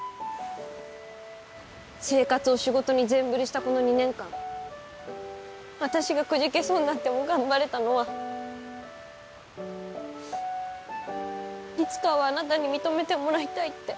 生活を仕事に全振りしたこの２年間私がくじけそうになっても頑張れたのはいつかはあなたに認めてもらいたいって。